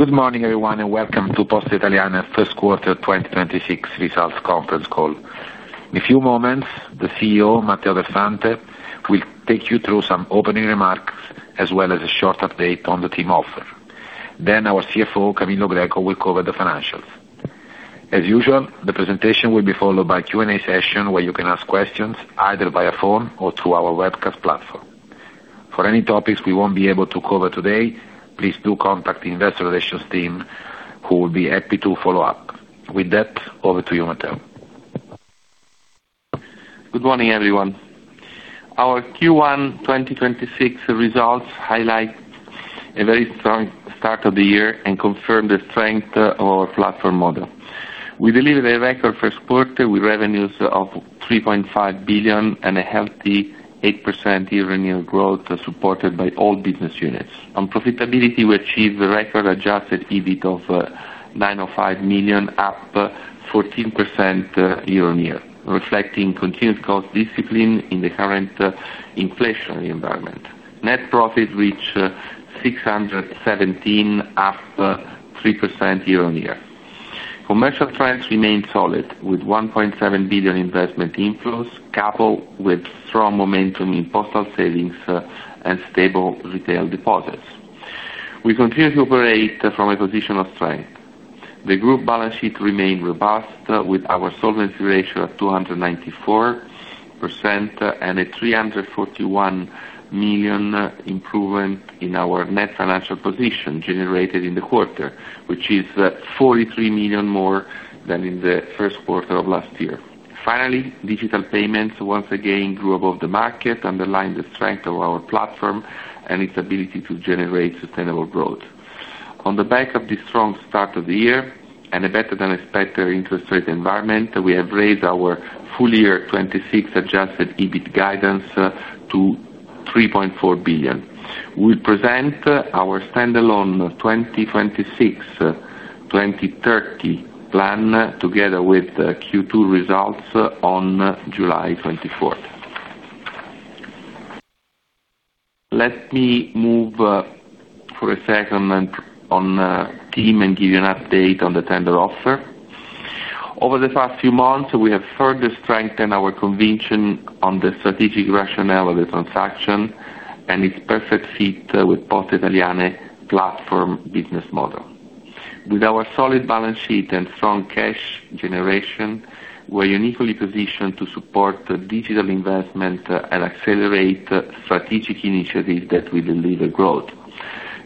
Good morning, everyone. Welcome to Poste Italiane first quarter 2026 results conference call. In a few moments, the CEO, Matteo Del Fante, will take you through some opening remarks as well as a short update on the TIM offer. Our CFO, Camillo Greco, will cover the financials. As usual, the presentation will be followed by Q&A session, where you can ask questions either via phone or through our webcast platform. For any topics we won't be able to cover today, please do contact the investor relations team who will be happy to follow up. With that, over to you, Matteo. Good morning, everyone. Our Q1 2026 results highlight a very strong start of the year and confirm the strength of our platform model. We delivered a record first quarter with revenues of 3.5 billion and a healthy 8% year-on-year growth, supported by all business units. On profitability, we achieved a record adjusted EBIT of 905 million, up 14% year-on-year, reflecting continued cost discipline in the current inflationary environment. Net profit reached 617 million, up 3% year-on-year. Commercial trends remained solid, with 1.7 billion investment inflows, coupled with strong momentum in postal savings and stable retail deposits. We continue to operate from a position of strength. The group balance sheet remained robust, with our solvency ratio at 294% and a 341 million improvement in our net financial position generated in the quarter, which is 43 million more than in the first quarter of last year. Digital payments once again grew above the market, underlying the strength of our platform and its ability to generate sustainable growth. On the back of this strong start of the year and a better than expected interest rate environment, we have raised our full year 2026 adjusted EBIT guidance to 3.4 billion. We present our standalone 2026, 2030 plan together with the Q2 results on July 24th. Let me move for a second on TIM and give you an update on the tender offer. Over the past few months, we have further strengthened our conviction on the strategic rationale of the transaction and its perfect fit with Poste Italiane platform business model. With our solid balance sheet and strong cash generation, we're uniquely positioned to support digital investment and accelerate strategic initiatives that will deliver growth.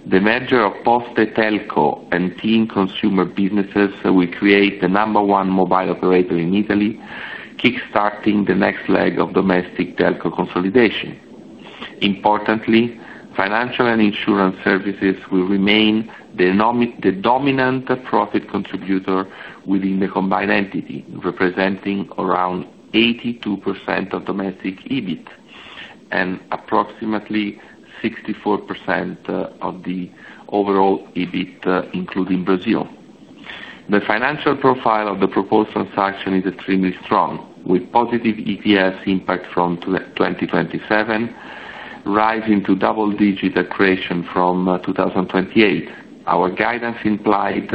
The merger of Poste Telco and TIM Consumer businesses will create the number one mobile operator in Italy, kickstarting the next leg of domestic telco consolidation. Importantly, financial and insurance services will remain the dominant profit contributor within the combined entity, representing around 82% of domestic EBIT and approximately 64% of the overall EBIT, including Brazil. The financial profile of the proposed transaction is extremely strong, with positive EPS impact from 2027, rising to double-digit accretion from 2028. Our guidance implied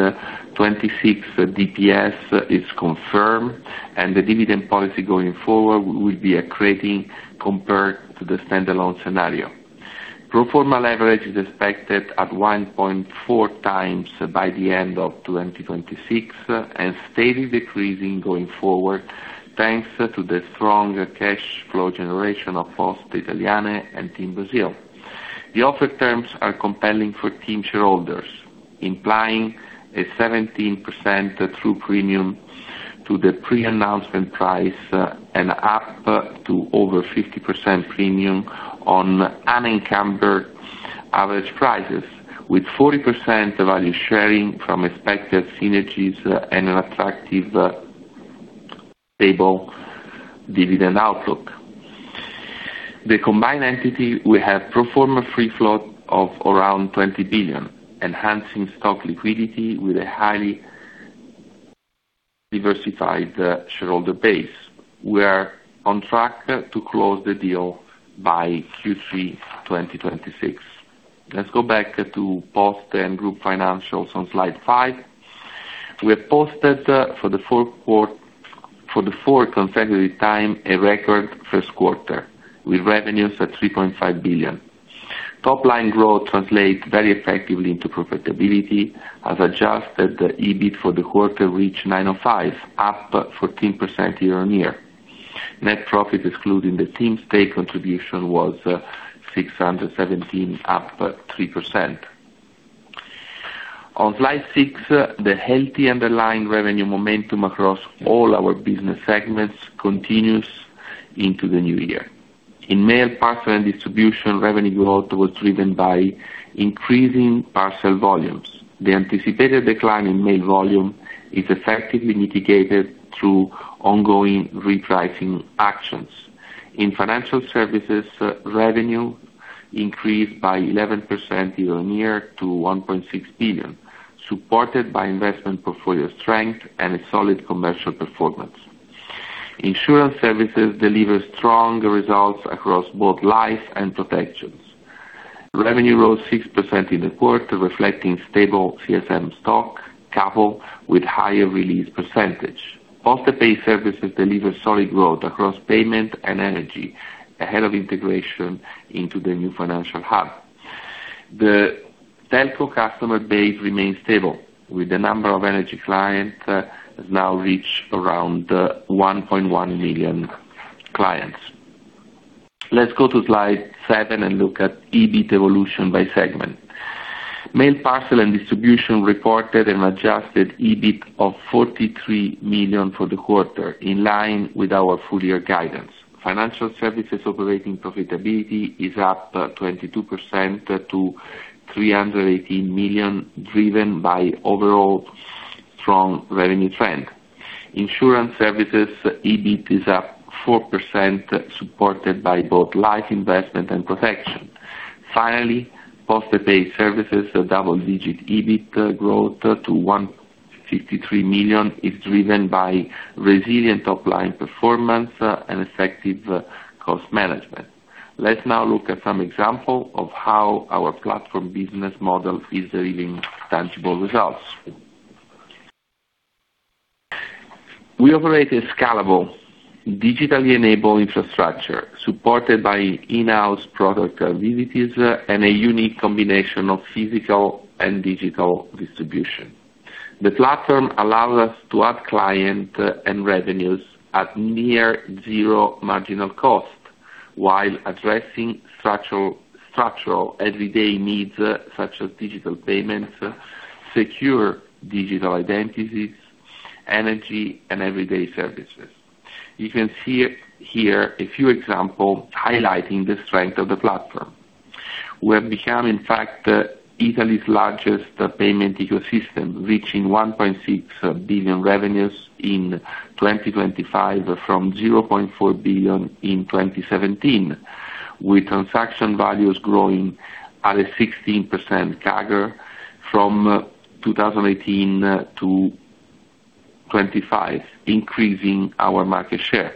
2026 DPS is confirmed, and the dividend policy going forward will be accreting compared to the standalone scenario. Pro forma leverage is expected at 1.4x by the end of 2026, and steadily decreasing going forward, thanks to the strong cash flow generation of Poste Italiane and TIM Brasil. The offer terms are compelling for TIM shareholders, implying a 17% true premium to the pre-announcement price and up to over 50% premium on unencumbered average prices, with 40% value sharing from expected synergies and an attractive, stable dividend outlook. The combined entity will have pro forma free float of around 20 billion, enhancing stock liquidity with a highly diversified shareholder base. We are on track to close the deal by Q3 2026. Let's go back to Poste and group financials on slide five. We have posted for the fourth consecutive time, a record first quarter, with revenues at 3.5 billion. Top line growth translate very effectively into profitability as adjusted EBIT for the quarter reached 905, up 14% year-on-year. Net profit excluding the TIM stake contribution was 617, up 3%. On slide six, the healthy underlying revenue momentum across all our business segments continues into the new year. In Mail, Parcel and Distribution, revenue growth was driven by increasing parcel volumes. The anticipated decline in mail volume is effectively mitigated through ongoing repricing actions. In Financial Services, revenue increased by 11% year-on-year to 1.6 billion, supported by investment portfolio strength and a solid commercial performance. Insurance Services deliver strong results across both life and protections. Revenue rose 6% in the quarter, reflecting stable CSM stock coupled with higher release percentage. Postepay services delivered solid growth across payment and energy, ahead of integration into the new financial hub. The telco customer base remains stable, with the number of energy clients has now reached around 1.1 million clients. Let's go to slide seven and look at EBIT evolution by segment. Mail, Parcel, and Distribution reported an adjusted EBIT of 43 million for the quarter, in line with our full year guidance. Financial Services operating profitability is up 22% to 318 million, driven by overall strong revenue trend. Insurance Services EBIT is up 4%, supported by both life investment and protection. Finally, Postepay services, a double-digit EBIT growth to 153 million is driven by resilient top line performance and effective cost management. Let's now look at some examples of how our platform business model is delivering tangible results. We operate a scalable, digitally enabled infrastructure supported by in-house product capabilities and a unique combination of physical and digital distribution. The platform allows us to add clients and revenues at near zero marginal cost, while addressing structural everyday needs, such as digital payments, secure digital identities, energy, and everyday services. You can see here a few examples highlighting the strength of the platform. We have become, in fact, Italy's largest payment ecosystem, reaching 1.6 billion revenues in 2025 from 0.4 billion in 2017, with transaction values growing at a 16% CAGR from 2018 to 2025, increasing our market share.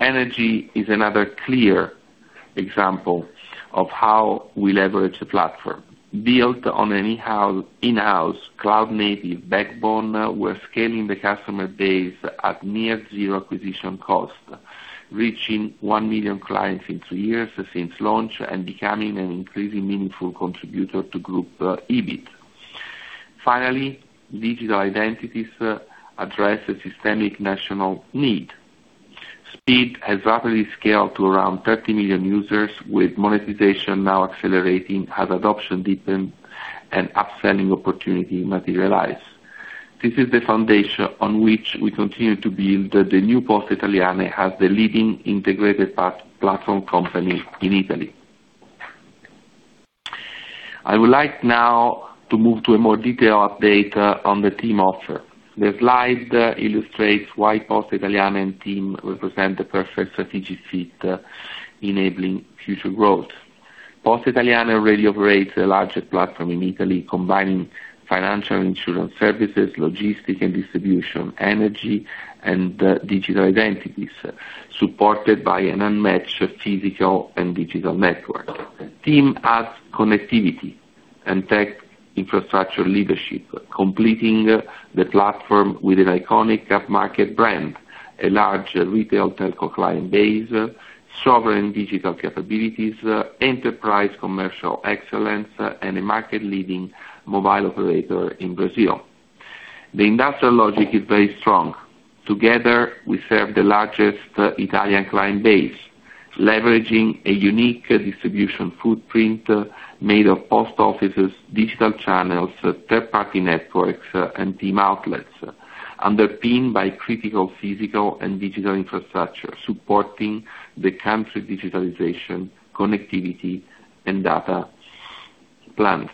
Energy is another clear example of how we leverage the platform. Built on an in-house cloud-native backbone, we're scaling the customer base at near zero acquisition cost, reaching 1 million clients in two years since launch and becoming an increasingly meaningful contributor to group EBIT. Finally, digital identities address a systemic national need. SPID has rapidly scaled to around 30 million users, with monetization now accelerating as adoption deepens and upselling opportunity materialize. This is the foundation on which we continue to build the new Poste Italiane as the leading integrated platform company in Italy. I would like now to move to a more detailed update on the TIM offer. The slide illustrates why Poste Italiane and TIM represent the perfect strategic fit enabling future growth. Poste Italiane already operates the largest platform in Italy, combining financial insurance services, logistics and distribution, energy, and digital identities, supported by an unmatched physical and digital network. TIM adds connectivity and tech infrastructure leadership, completing the platform with an iconic upmarket brand, a large retail telco client base, sovereign digital capabilities, enterprise commercial excellence, and a market-leading mobile operator in Brazil. The industrial logic is very strong. Together, we serve the largest Italian client base, leveraging a unique distribution footprint made of post offices, digital channels, third-party networks, and TIM outlets, underpinned by critical physical and digital infrastructure, supporting the country's digitalization, connectivity, and data plans.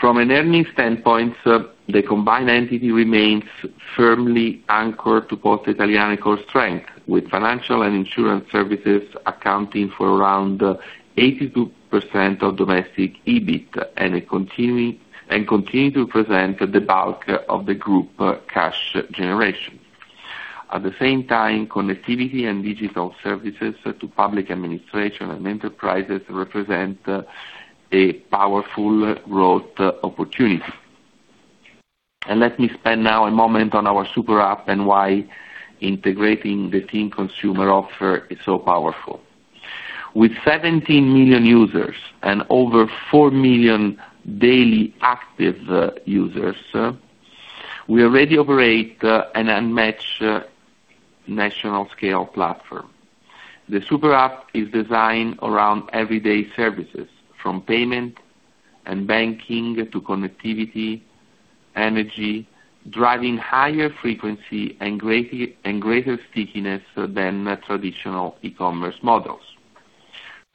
From an earnings standpoint, the combined entity remains firmly anchored to Poste Italiane core strength, with financial and insurance services accounting for around 82% of domestic EBIT and continue to present the bulk of the group cash generation. At the same time, connectivity and digital services to public administration and enterprises represent a powerful growth opportunity. Let me spend now a moment on our Super App and why integrating the TIM Consumer offer is so powerful. With 17 million users and over 4 million daily active users, we already operate an unmatched national scale platform. The Super App is designed around everyday services, from payment and banking to connectivity, energy, driving higher frequency and greater stickiness than the traditional e-commerce models.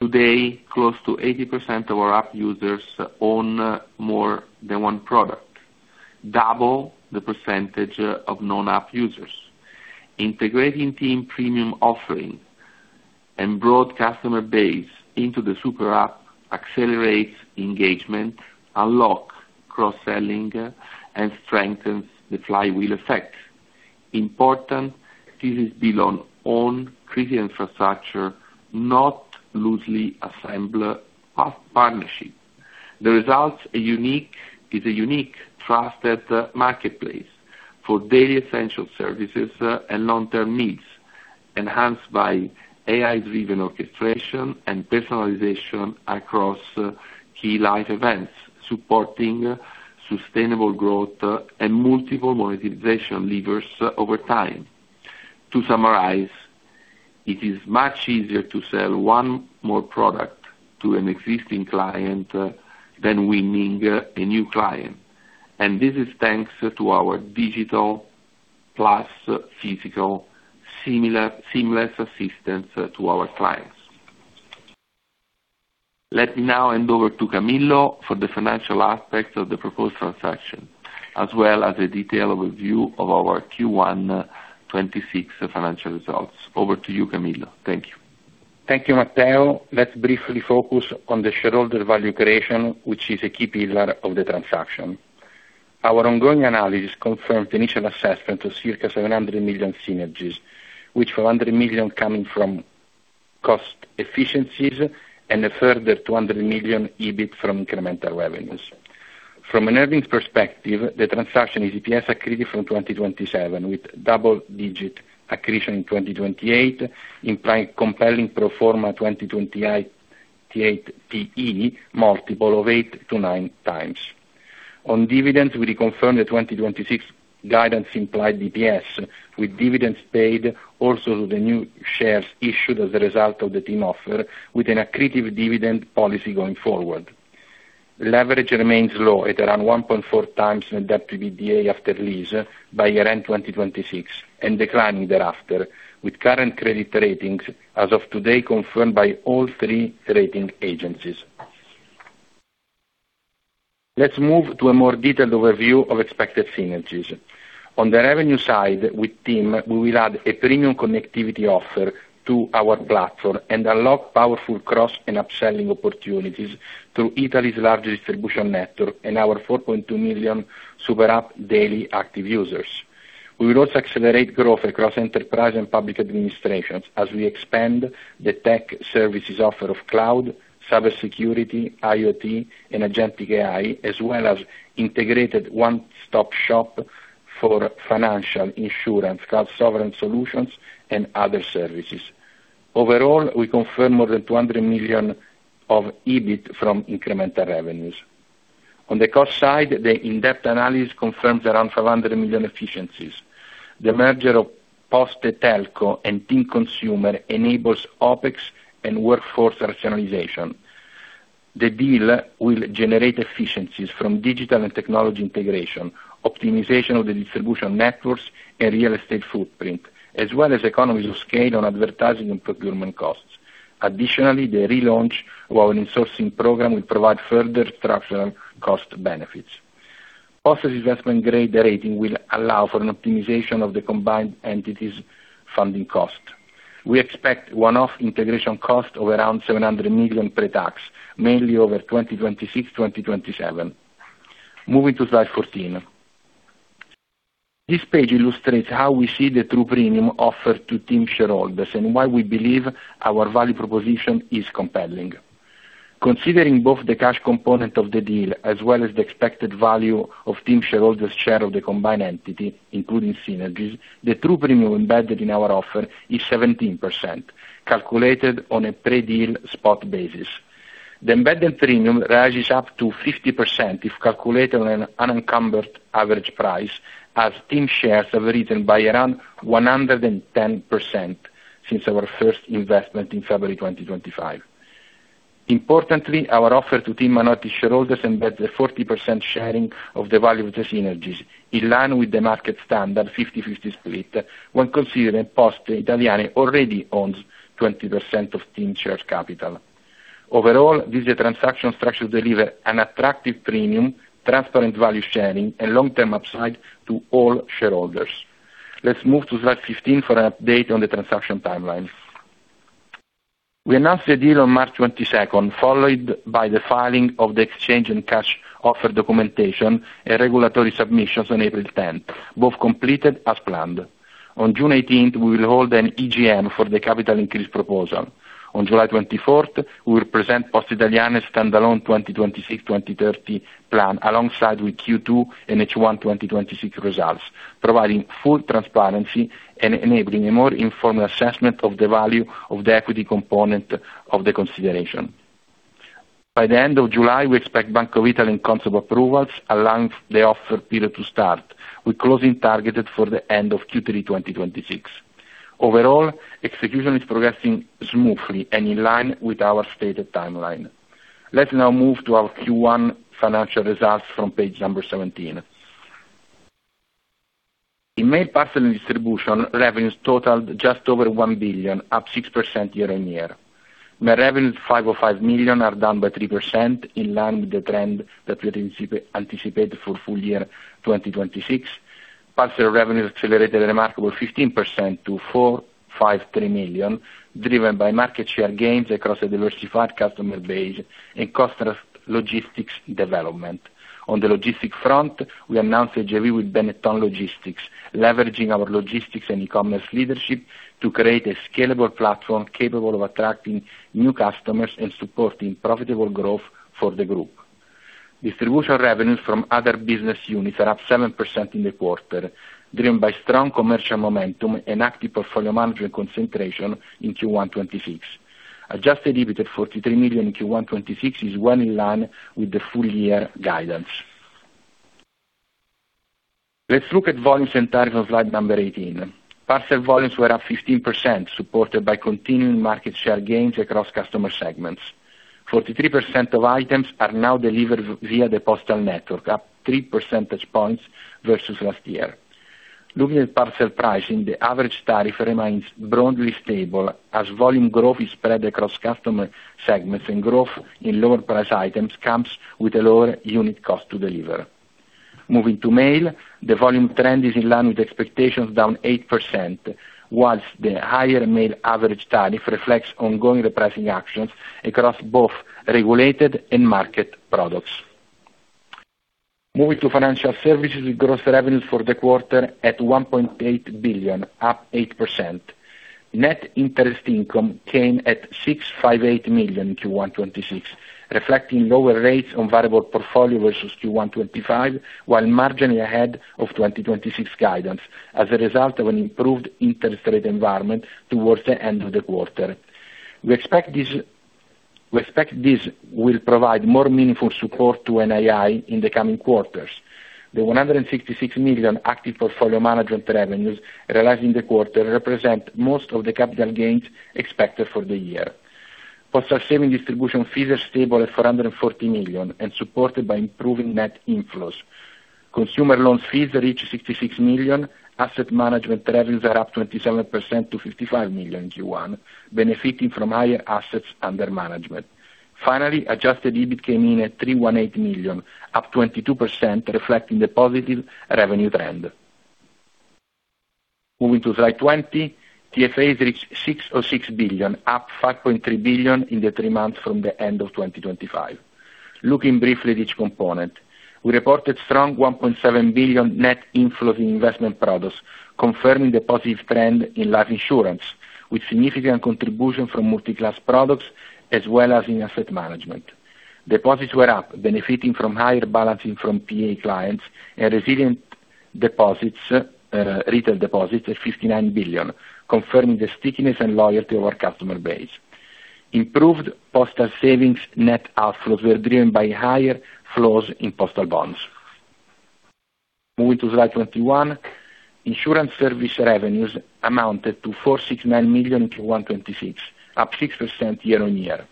Today, close to 80% of our app users own more than one product, double the percentage of non-app users. Integrating TIM premium offering and broad customer base into the Super App accelerates engagement, unlock cross-selling, and strengthens the flywheel effect. Important, this is built on own critical infrastructure, not loosely assembled partnership. The results is a unique trusted marketplace for daily essential services and long-term needs, enhanced by AI-driven orchestration and personalization across key life events, supporting sustainable growth and multiple monetization levers over time. To summarize, it is much easier to sell one more product to an existing client than winning a new client. This is thanks to our digital plus physical seamless assistance to our clients. Let me now hand over to Camillo for the financial aspects of the proposed transaction, as well as a detailed review of our Q1 2026 financial results. Over to you, Camillo. Thank you. Thank you, Matteo. Let's briefly focus on the shareholder value creation, which is a key pillar of the transaction. Our ongoing analysis confirmed the initial assessment of circa 700 million synergies, with 400 million coming from cost efficiencies and a further 200 million EBIT from incremental revenues. From an earnings perspective, the transaction is EPS accretive from 2027, with double-digit accretion in 2028, implying compelling pro forma 2028 PE multiple of 8x to 9x. On dividends, we reconfirm the 2026 guidance implied DPS, with dividends paid also to the new shares issued as a result of the TIM offer, with an accretive dividend policy going forward. Leverage remains low at around 1.4x net debt-to-EBITDA after lease by year-end 2026 and declining thereafter, with current credit ratings as of today confirmed by all three rating agencies. Let's move to a more detailed overview of expected synergies. On the revenue side, with TIM, we will add a premium connectivity offer to our platform and unlock powerful cross and upselling opportunities through Italy's largest distribution network and our 4.2 million Super App daily active users. We will also accelerate growth across enterprise and public administrations as we expand the tech services offer of cloud, cybersecurity, IoT, and agentic AI, as well as integrated one-stop shop for financial, insurance, cloud sovereign solutions, and other services. Overall, we confirm more than 200 million of EBIT from incremental revenues. On the cost side, the in-depth analysis confirms around 500 million efficiencies. The merger of Poste Telco and TIM Consumer enables OpEx and workforce rationalization. The deal will generate efficiencies from digital and technology integration, optimization of the distribution networks and real estate footprint, as well as economies of scale on advertising and procurement costs. Additionally, the relaunch of our insourcing program will provide further structural cost benefits. Poste's investment-grade rating will allow for an optimization of the combined entities funding cost. We expect one-off integration cost of around 700 million pre-tax, mainly over 2026, 2027. Moving to slide 14. This page illustrates how we see the true premium offered to TIM shareholders and why we believe our value proposition is compelling. Considering both the cash component of the deal as well as the expected value of TIM shareholders' share of the combined entity, including synergies, the true premium embedded in our offer is 17%, calculated on a pre-deal spot basis. The embedded premium rises up to 50% if calculated on an unencumbered average price, as TIM shares have risen by around 110% since our first investment in February 2025. Our offer to TIM and other shareholders embeds a 40% sharing of the value of the synergies, in line with the market standard 50/50 split, when considering Poste Italiane already owns 20% of TIM share capital. This transaction structure deliver an attractive premium, transparent value sharing, and long-term upside to all shareholders. Let's move to slide 15 for an update on the transaction timeline. We announced the deal on March 22nd, followed by the filing of the exchange and cash offer documentation and regulatory submissions on April 10th, both completed as planned. On June 18th, we will hold an EGM for the capital increase proposal. On July 24th, we will present Poste Italiane standalone 2026-2030 plan alongside with Q2 and H1 2026 results, providing full transparency and enabling a more informed assessment of the value of the equity component of the consideration. By the end of July, we expect Bank of Italy and Consob approvals, allowing the offer period to start, with closing targeted for the end of Q3 2026. Execution is progressing smoothly and in line with our stated timeline. Let's now move to our Q1 financial results from page number 17. In Mail, Parcel, and Distribution, revenues totaled just over 1 billion, up 6% year-on-year. Mail revenue 505 million are down by 3% in line with the trend that we had anticipate for full year 2026. Parcel revenues accelerated a remarkable 15% to 453 million, driven by market share gains across a diversified customer base and cross-border logistics development. On the logistics front, we announced a JV with Benetton Logistics, leveraging our logistics and e-commerce leadership to create a scalable platform capable of attracting new customers and supporting profitable growth for the group. Distribution revenues from other business units are up 7% in the quarter, driven by strong commercial momentum and active portfolio management concentration in Q1 2026. Adjusted EBITDA, EUR 43 million in Q1 2026, is well in line with the full year guidance. Let's look at volumes and tariff on slide number 18. Parcel volumes were up 15%, supported by continuing market share gains across customer segments. 43% of items are now delivered via the postal network, up 3 percentage points versus last year. Looking at parcel pricing, the average tariff remains broadly stable as volume growth is spread across customer segments, and growth in lower price items comes with a lower unit cost to deliver. Moving to Mail, the volume trend is in line with expectations down 8%, whilst the higher mail average tariff reflects ongoing repricing actions across both regulated and market products. Moving to financial services, with gross revenues for the quarter at 1.8 billion, up 8%. Net interest income came at 658 million Q1 2026, reflecting lower rates on variable portfolio versus Q1 2025, while marginally ahead of 2026 guidance as a result of an improved interest rate environment towards the end of the quarter. We expect this will provide more meaningful support to NII in the coming quarters. The 166 million active portfolio management revenues realized in the quarter represent most of the capital gains expected for the year. Postal saving distribution fees are stable at 440 million and supported by improving net inflows. Consumer loan fees reach 66 million. Asset management revenues are up 27% to 55 million in Q1, benefiting from higher assets under management. Finally, adjusted EBIT came in at 318 million, up 22%, reflecting the positive revenue trend. Moving to slide 20. TFAs reached 606 billion, up 5.3 billion in the three months from the end of 2025. Looking briefly at each component. We reported strong 1.7 billion net inflow in investment products, confirming the positive trend in life insurance with significant contribution from Multi-class products as well as in asset management. Deposits were up, benefiting from higher balancing from PA clients and resilient deposits, retail deposits at 59 billion, confirming the stickiness and loyalty of our customer base. Improved postal savings net outflows were driven by higher flows in postal bonds. Moving to slide 21. Insurance service revenues amounted to 469 million in Q1 2026, up 6% year-on-year.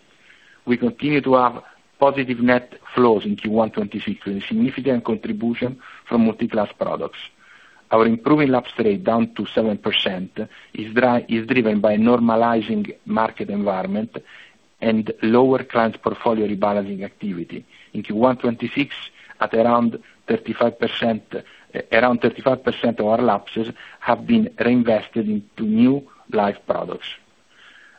We continue to have positive net flows in Q1 2026 with a significant contribution from Multi-class products. Our improving lapse rate, down to 7%, is driven by normalizing market environment and lower client portfolio rebalancing activity. In Q1 2026, at around 35%, around 35% of our lapses have been reinvested into new life products.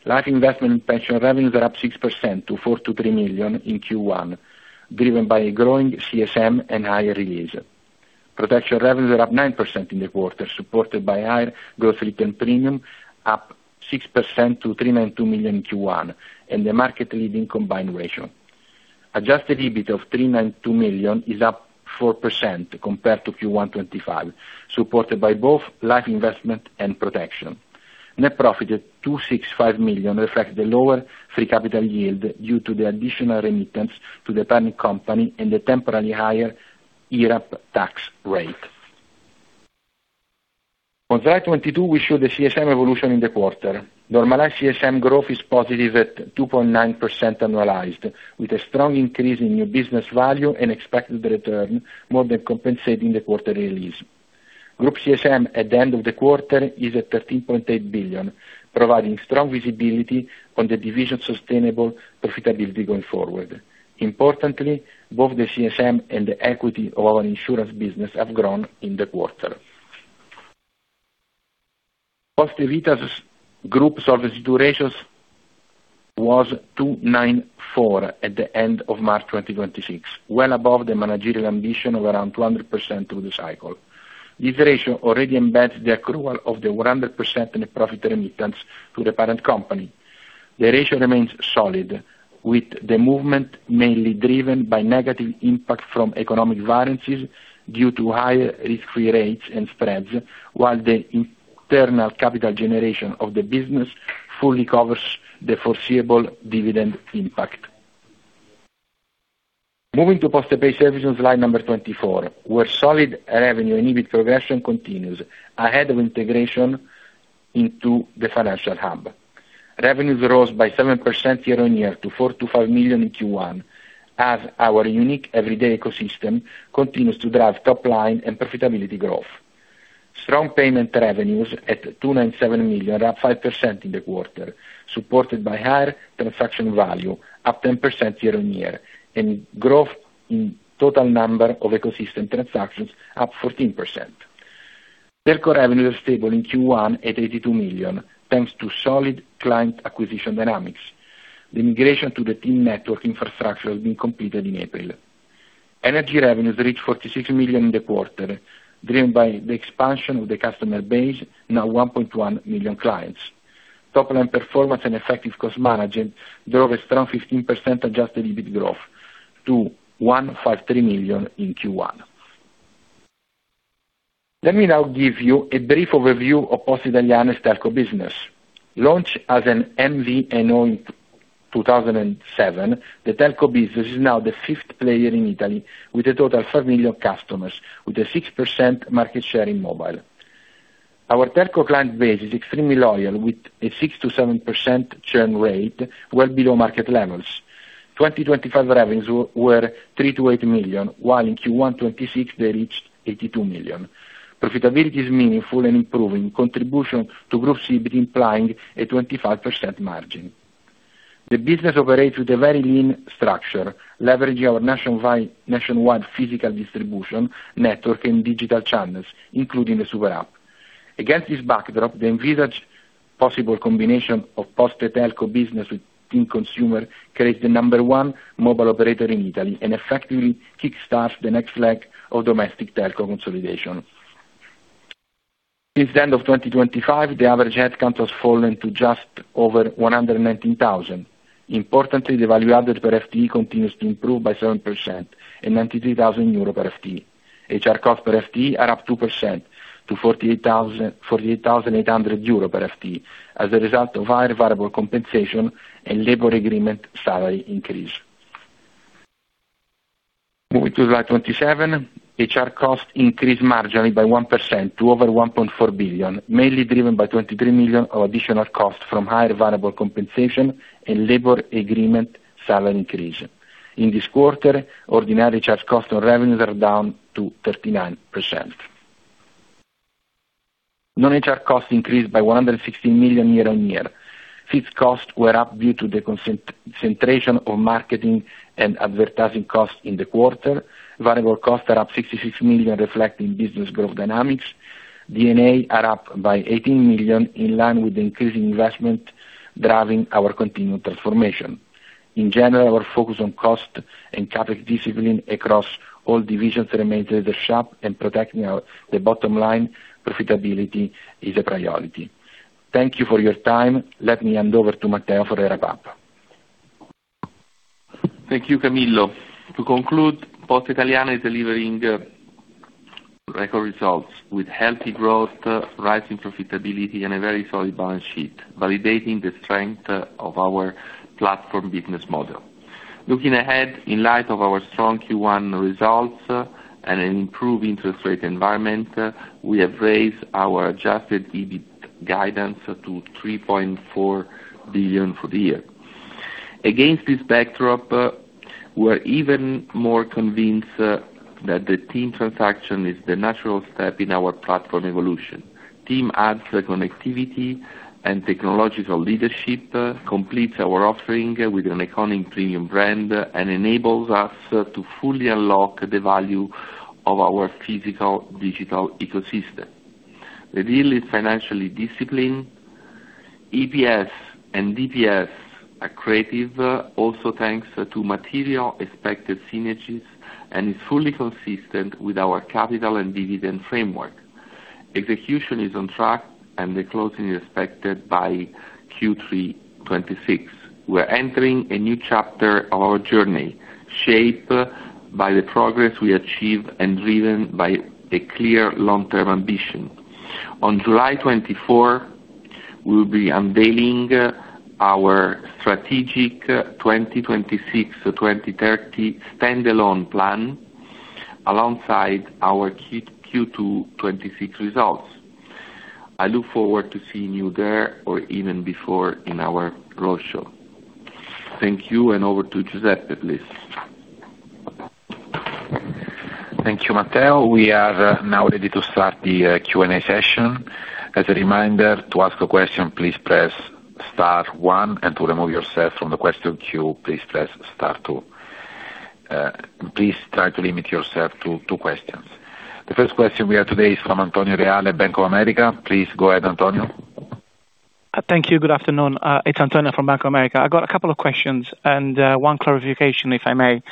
Life investment and pension revenues are up 6% to 423 million in Q1, driven by a growing CSM and higher release. Protection revenues are up 9% in the quarter, supported by higher gross written premium, up 6% to 392 million in Q1, and the market leading combined ratio. Adjusted EBIT of 392 million is up 4% compared to Q1 2025, supported by both life investment and protection. Net profit at 265 million reflects the lower free capital yield due to the additional remittance to the parent company and the temporarily higher IRAP tax rate. On slide 22, we show the CSM evolution in the quarter. Normalized CSM growth is positive at 2.9% annualized, with a strong increase in new business value and expected return more than compensating the quarter release. Group CSM at the end of the quarter is at 13.8 billion, providing strong visibility on the division's sustainable profitability going forward. Importantly, both the CSM and the equity of our insurance business have grown in the quarter. Poste Vita's group solvency ratio was 294 at the end of March 2026, well above the managerial ambition of around 200% through the cycle. This ratio already embeds the accrual of the 100% in profit remittance to the parent company. The ratio remains solid, with the movement mainly driven by negative impact from economic variances due to higher risk-free rates and spreads, while the internal capital generation of the business fully covers the foreseeable dividend impact. Moving to Postepay services on slide number 24, where solid revenue and EBIT progression continues ahead of integration into the financial hub. Revenues rose by 7% year-on-year to 425 million in Q1, as our unique everyday ecosystem continues to drive top line and profitability growth. Strong payment revenues at 297 million, up 5% in the quarter, supported by higher transaction value, up 10% year-on-year, and growth in total number of ecosystem transactions up 14%. Telco revenue is stable in Q1 at 82 million, thanks to solid client acquisition dynamics. The integration to the TIM network infrastructure has been completed in April. Energy revenues reached 46 million in the quarter, driven by the expansion of the customer base, now 1.1 million clients. Topline performance and effective cost management drove a strong 15% adjusted EBIT growth to 153 million in Q1. Let me now give you a brief overview of Poste Italiane's Telco business. Launched as an MVNO in 2007, the telco business is now the fifth player in Italy, with a total 5 million customers with a 6% market share in mobile. Our telco client base is extremely loyal, with a 6%-7% churn rate, well below market levels. 2025 revenues were 38 million, while in Q1 2026 they reached 82 million. Profitability is meaningful and improving, contribution to group EBIT implying a 25% margin. The business operates with a very lean structure, leveraging our nationwide physical distribution network and digital channels, including the Super App. Against this backdrop, the envisaged possible combination of Poste telco business with TIM Consumer creates the number one mobile operator in Italy and effectively kick-starts the next leg of domestic telco consolidation. Since the end of 2025, the average headcount has fallen to just over 119,000. Importantly, the value added per FTE continues to improve by 7% and 93,000 euro per FTE. HR cost per FTE are up 2% to 48,800 euro per FTE as a result of higher variable compensation and labor agreement salary increase. Moving to slide 27, HR costs increased marginally by 1% to over 1.4 billion, mainly driven by 23 million of additional costs from higher variable compensation and labor agreement salary increase. In this quarter, ordinary HR cost on revenues are down to 39%. Non-HR costs increased by 116 million year-on-year. Fixed costs were up due to the concentration of marketing and advertising costs in the quarter. Variable costs are up 66 million, reflecting business growth dynamics. D&A are up by 18 million, in line with the increasing investment driving our continued transformation. Our focus on cost and CapEx discipline across all divisions remains sharp and protecting the bottom line profitability is a priority. Thank you for your time. Let me hand over to Matteo for the wrap-up. Thank you, Camillo. To conclude, Poste Italiane is delivering record results with healthy growth, rising profitability and a very solid balance sheet, validating the strength of our platform business model. Looking ahead, in light of our strong Q1 results and an improved interest rate environment, we have raised our adjusted EBIT guidance to 3.4 billion for the year. Against this backdrop, we're even more convinced that the TIM transaction is the natural step in our platform evolution. TIM adds connectivity and technological leadership, completes our offering with an iconic premium brand and enables us to fully unlock the value of our physical-digital ecosystem. The deal is financially disciplined. EPS and DPS accretive also thanks to material expected synergies and is fully consistent with our capital and dividend framework. Execution is on track and the closing is expected by Q3 2026. We are entering a new chapter of our journey, shaped by the progress we achieved and driven by a clear long-term ambition. On July 24, we will be unveiling our strategic 2026 to 2030 standalone plan alongside our Q2 2026 results. I look forward to seeing you there or even before in our roadshow. Thank you, and over to Giuseppe, please. Thank you, Matteo. We are now ready to start the Q&A session. As a reminder, to ask a question, please press star one, and to remove yourself from the question queue, please press star two. Please try to limit yourself to two questions. The first question we have today is from Antonio Reale, Bank of America. Please go ahead, Antonio. Thank you. Good afternoon, it's Antonio from Bank of America. I got a couple of questions and one clarification, if I may.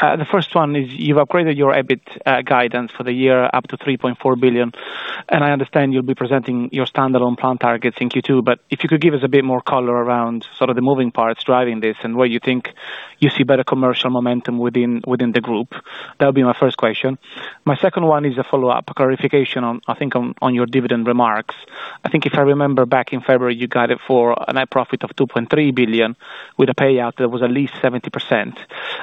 The first one is you've upgraded your EBIT guidance for the year up to 3.4 billion, and I understand you'll be presenting your standalone plan targets in Q2. If you could give us a bit more color around sort of the moving parts driving this and where you think you see better commercial momentum within the group. That'll be my first question. My second one is a follow-up clarification on, I think, on your dividend remarks. I think if I remember back in February, you guided for a net profit of 2.3 billion with a payout that was at least 70%,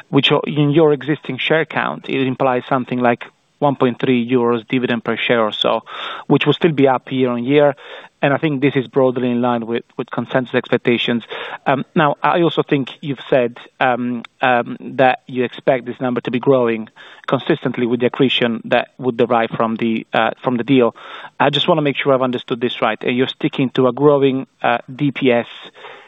which in your existing share count, it implies something like 1.3 euros dividend per share or so, which will still be up year-over-year. I think this is broadly in line with consensus expectations. Now, I also think you've said that you expect this number to be growing consistently with the accretion that would derive from the deal. I just wanna make sure I've understood this right. Are you sticking to a growing DPS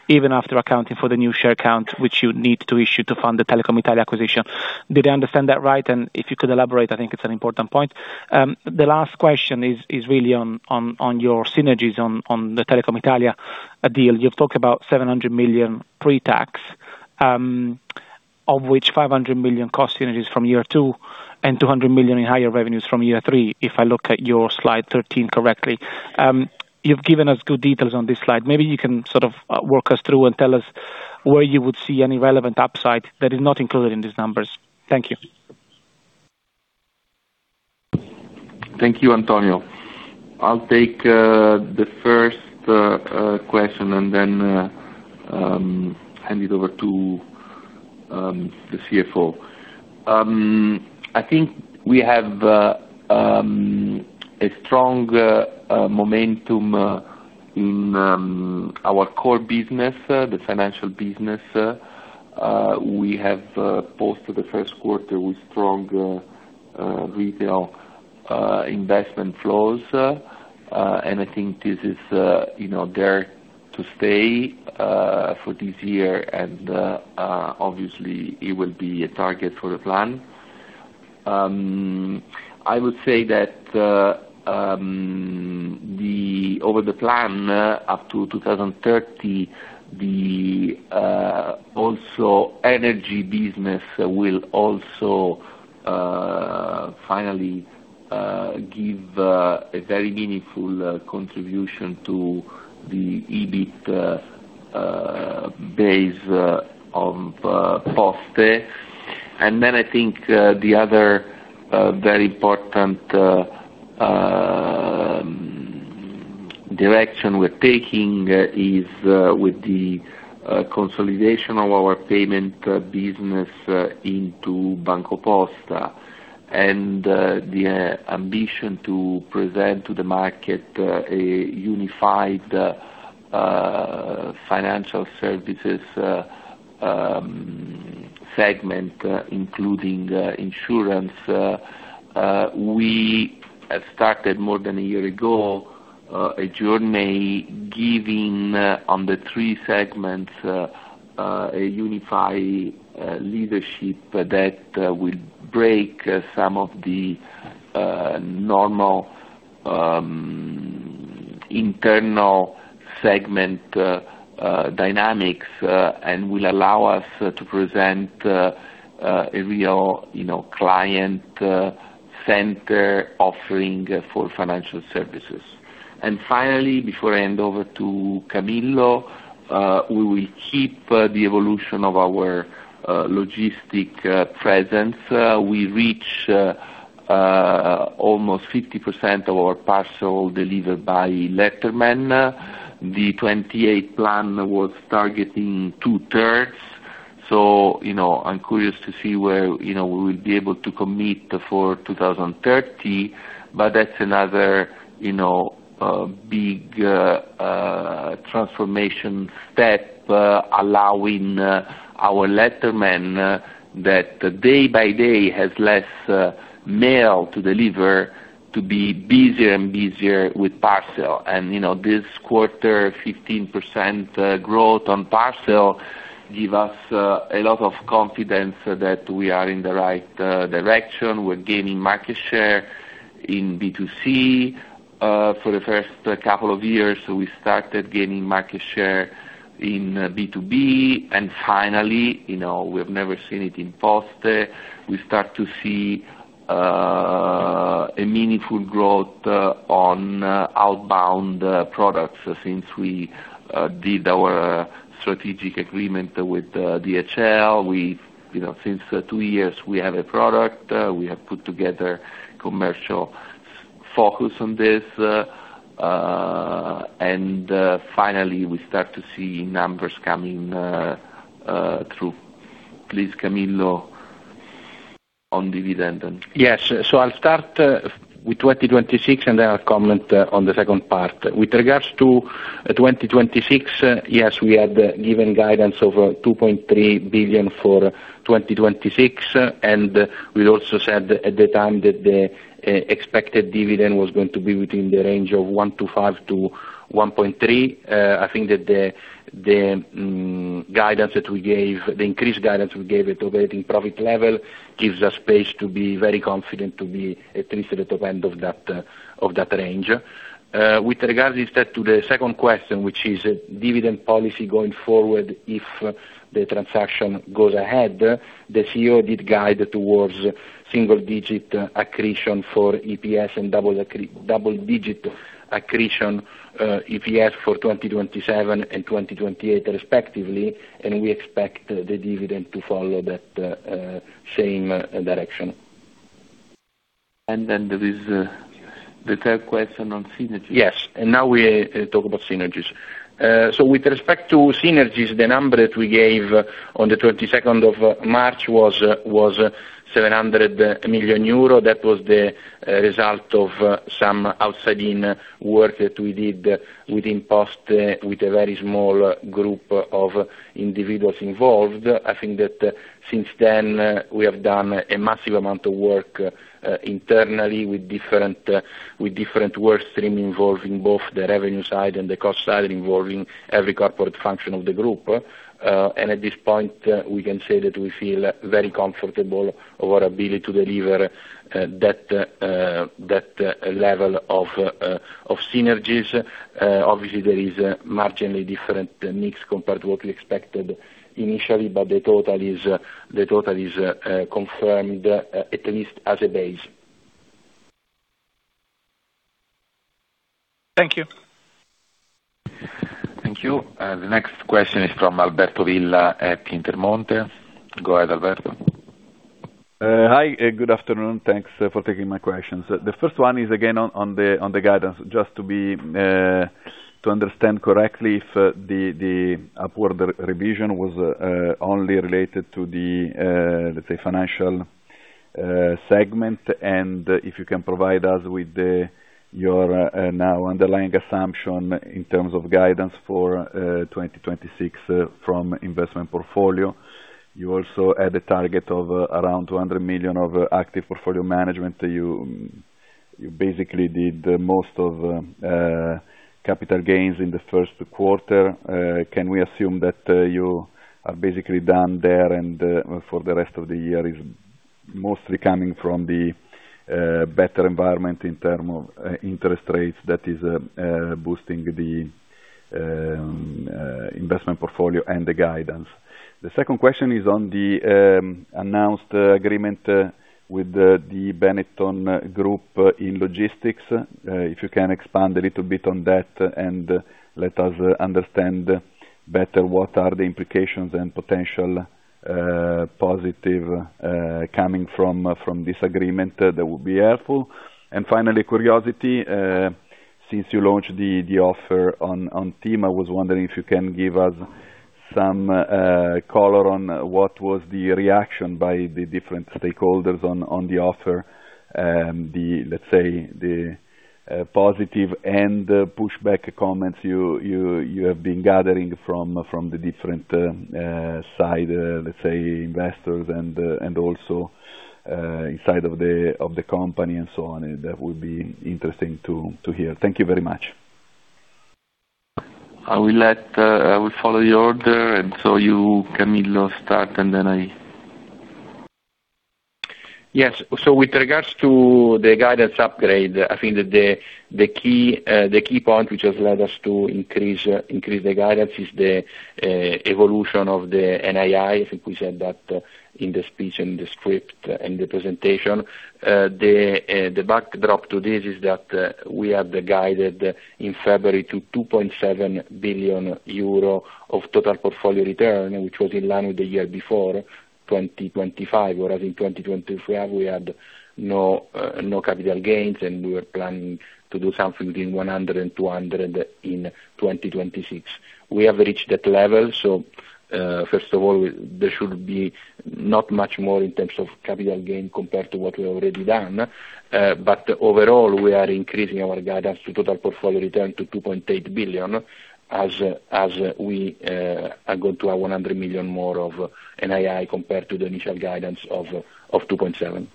even after accounting for the new share count, which you need to issue to fund the Telecom Italia acquisition? Did I understand that right? If you could elaborate, I think it's an important point. The last question is really on your synergies on the Telecom Italia deal. You talk about 700 million pre-tax, of which 500 million cost synergies from year two and 200 million in higher revenues from year three, if I look at your slide 13 correctly. You've given us good details on this slide. Maybe you can sort of work us through and tell us where you would see any relevant upside that is not included in these numbers. Thank you. Thank you, Antonio. I'll take the first question and then hand it over to the CFO. I think we have a strong momentum in our core business, the financial business. We have posted the first quarter with strong retail investment flows. I think this is, you know, there to stay for this year. Obviously it will be a target for the plan. I would say that over the plan up to 2030, the also energy business will also finally give a very meaningful contribution to the EBIT base of Poste. I think the other very important direction we're taking is with the consolidation of our payment business into BancoPosta. The ambition to present to the market a unified financial services segment, including insurance. We have started more than a year ago a journey giving on the three segments a unified leadership that will break some of the normal internal segment dynamics and will allow us to present a real, you know, client-center offering for financial services. Finally, before I hand over to Camillo, we will keep the evolution of our logistics presence. We reach almost 50% of our parcel delivered by letterman. The 28 plan was targeting two-thirds. You know, I'm curious to see where, you know, we will be able to commit for 2030, that's another, you know, big transformation step, allowing our letterman that day by day has less mail to deliver to be busier and busier with parcel. You know, this quarter, 15% growth on parcel give us a lot of confidence that we are in the right direction. We're gaining market share in B2C for the first couple of years. We started gaining market share in B2B. Finally, you know, we have never seen it in Poste. We start to see a meaningful growth on outbound products since we did our strategic agreement with DHL. You know, since two years, we have a product, we have put together commercial focus on this, and, finally, we start to see numbers coming through. Please, Camillo, on dividend. Yes. I'll start with 2026, and then I'll comment on the second part. With regards to 2026, yes, we had given guidance of 2.3 billion for 2026, and we also said at the time that the expected dividend was going to be within the range of 1.05 to 1.3. I think that the increased guidance we gave at operating profit level gives us space to be very confident to be at least at the top end of that range. With regards instead to the second question, which is dividend policy going forward, if the transaction goes ahead, the CEO did guide towards single-digit accretion for EPS and double-digit accretion for EPS for 2027 and 2028 respectively, and we expect the dividend to follow that same direction. Then there is the third question on synergies. Yes. Now we talk about synergies. With respect to synergies, the number that we gave on the 22nd of March was 700 million euro. That was the result of some outside-in work that we did within Post, with a very small group of individuals involved. I think that since then, we have done a massive amount of work internally with different workstream involving both the revenue side and the cost side, involving every corporate function of the group. At this point, we can say that we feel very comfortable of our ability to deliver that level of synergies. Obviously, there is a marginally different mix compared to what we expected initially, the total is confirmed, at least as a base. Thank you. Thank you. The next question is from Alberto Villa at Intermonte. Go ahead, Alberto. Hi, good afternoon. Thanks for taking my questions. The first one is again on the guidance, just to understand correctly if the upward re-revision was only related to the let's say financial segment. If you can provide us with your now underlying assumption in terms of guidance for 2026 from investment portfolio. You also had a target of around 200 million of active portfolio management. You basically did most of capital gains in the first quarter. Can we assume that you are basically done there and for the rest of the year is mostly coming from the better environment in term of interest rates that is boosting the investment portfolio and the guidance? The second question is on the announced agreement with the Benetton Group in logistics. If you can expand a little bit on that and let us understand better what are the implications and potential positive coming from this agreement, that would be helpful. Finally, curiosity, since you launched the offer on TIM, I was wondering if you can give us some color on what was the reaction by the different stakeholders on the offer, the, let's say, the positive and pushback comments you have been gathering from the different side, let's say, investors and also inside of the company and so on. That would be interesting to hear. Thank you very much. I will let, I will follow your order. You, Camillo, start, and then I. Yes. With regards to the guidance upgrade, I think that the key point which has led us to increase the guidance is the evolution of the NII. I think we said that in the speech, in the script, in the presentation. The backdrop to this is that we had guided in February to 2.7 billion euro of total portfolio return, which was in line with the year before, 2025, whereas in 2024 we had no capital gains, and we were planning to do something between 100-200 in 2026. We have reached that level. First of all, there should be not much more in terms of capital gain compared to what we've already done. Overall, we are increasing our guidance to total portfolio return to 2.8 billion as we are going to have 100 million more of NII compared to the initial guidance of 2.7 billion.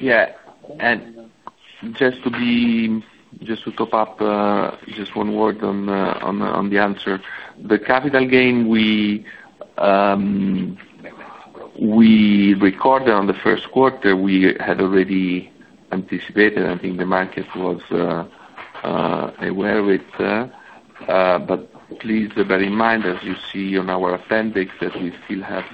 Yeah. Just to be, just to top up, just one word on the answer. The capital gain we recorded on the first quarter, we had already anticipated. I think the market was aware with, please bear in mind, as you see on our appendix, that we still have,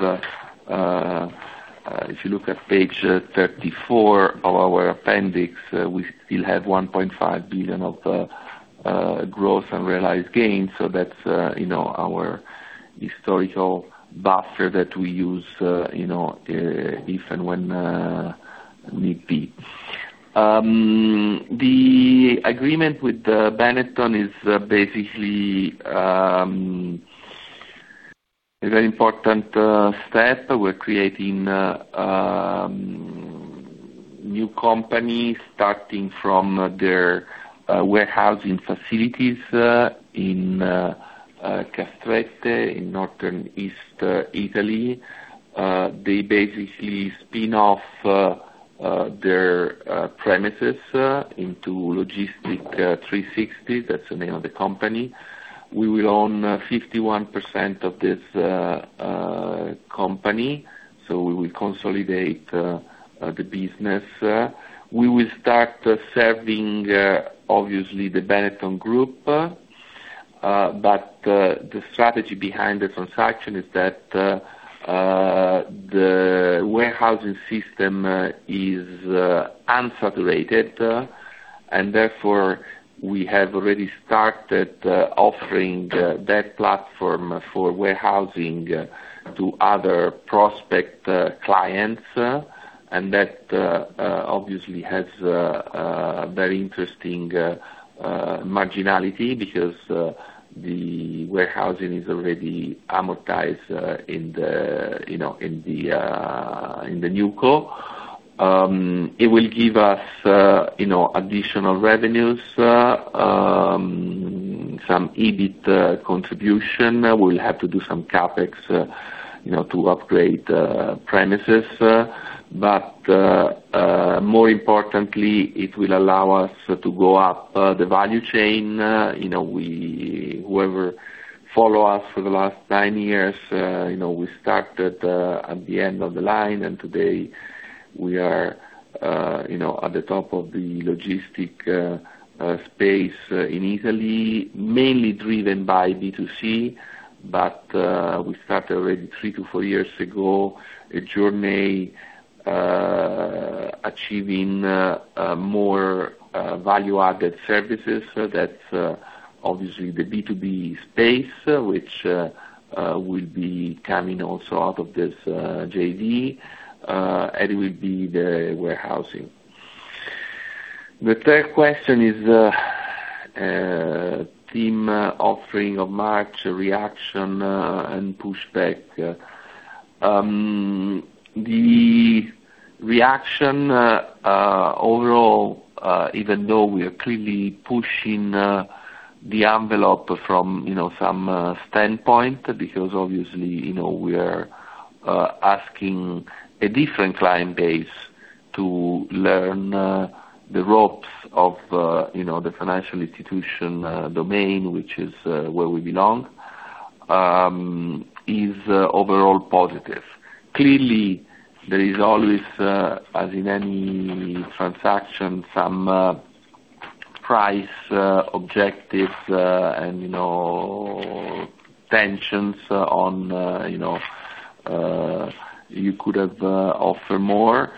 if you look at page 34 of our appendix, we still have 1.5 billion of growth unrealized gains. That's, you know, our historical buffer that we use, you know, if and when need be. The agreement with Benetton is basically a very important step. We're creating new companies starting from their warehousing facilities in Castrette di Villorba in northern East Italy. They basically spin off their premises into Logistics 360. That's the name of the company. We will own 51% of this company, so we will consolidate the business. We will start serving, obviously, the Benetton Group. The strategy behind the transaction is that the warehousing system is unsaturated, and therefore, we have already started offering that platform for warehousing to other prospect clients. That obviously has a very interesting marginality because the warehousing is already amortized in the, you know, in the in the NewCo. It will give us, you know, additional revenues, some EBIT contribution. We'll have to do some CapEx, you know, to upgrade premises, but more importantly, it will allow us to go up the value chain. You know, whoever follow us for the last nine years, you know, we started at the end of the line, and today we are, you know, at the top of the logistics space in Italy, mainly driven by B2C, but we start already three to four years ago, a journey achieving more value-added services. That's obviously the B2B space which will be coming also out of this JV, and it will be the warehousing. The third question is TIM offering of March reaction and pushback. The reaction overall, even though we are clearly pushing the envelope from, you know, some standpoint, because you know, we are asking a different client base to learn the ropes of, you know, the financial institution domain, which is where we belong, is overall positive. Clearly, there is always, as in any transaction, some price objectives and you know, tensions on you could have offered more.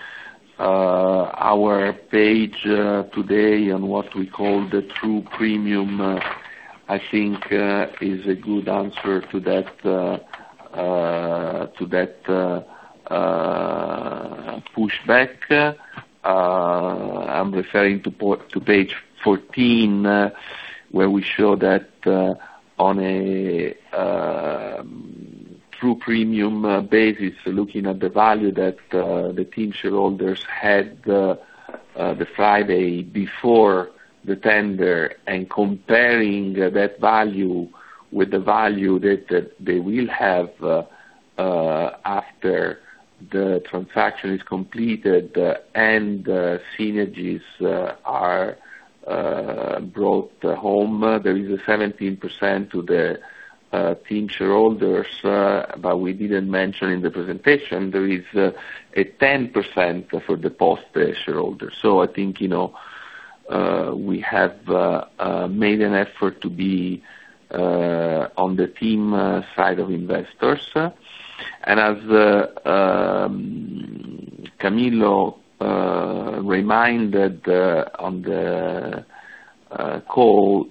Our page today on what we call the true premium, I think, is a good answer to that to that pushback. I'm referring to page 14, where we show that on a true premium basis, looking at the value that the TIM shareholders had the Friday before the tender and comparing that value with the value that they will have after the transaction is completed and synergies are brought home. There is a 17% to the TIM shareholders. We didn't mention in the presentation, there is a 10% for the Poste shareholders. I think, you know, we have made an effort to be on the TIM side of investors. As Camillo reminded on the call,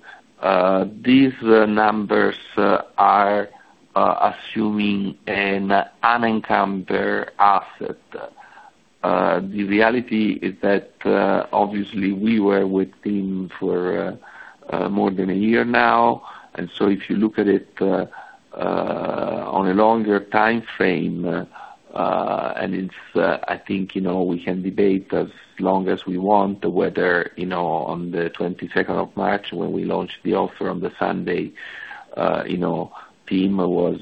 these numbers are assuming an unencumbered asset. The reality is that, obviously, we were with TIM for more than one year now. If you look at it, on a longer time frame, and it's, I think, you know, we can debate as long as we want, whether, you know, on the 22nd of March, when we launched the offer on the Sunday, you know, TIM was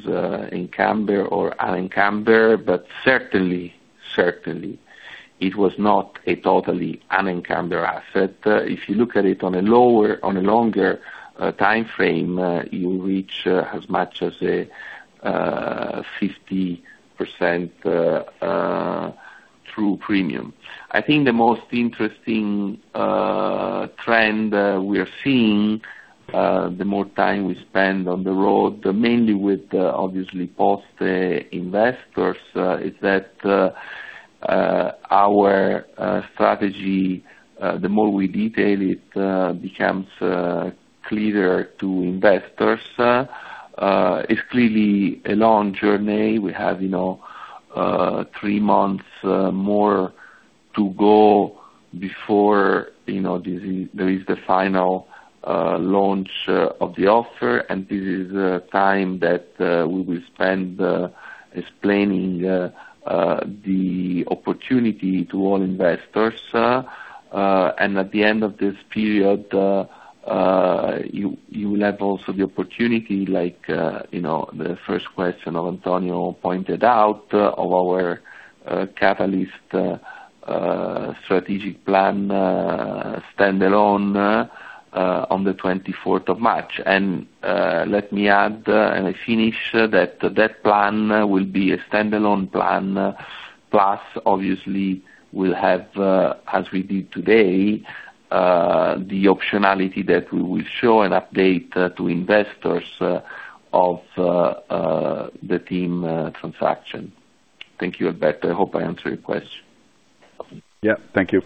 encumbered or unencumbered. Certainly, certainly, it was not a totally unencumbered asset. If you look at it on a longer time frame, you reach as much as 50% true premium. I think the most interesting trend we are seeing the more time we spend on the road, mainly with obviously Post investors, is that our strategy, the more we detail it, becomes clearer to investors. It's clearly a long journey. We have, you know, three months more to go before, you know, there is the final launch of the offer, and this is a time that we will spend explaining the opportunity to all investors. And at the end of this period, you will have also the opportunity like, you know, the first question of Antonio pointed out of our catalyst strategic plan standalone on the 24th of March. Let me add, and I finish, that that plan will be a standalone plan. Plus, obviously, we'll have, as we did today, the optionality that we will show and update to investors of the TIM transaction. Thank you, Alberto. I hope I answered your question. Yeah. Thank you.